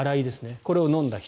これを飲んだ人。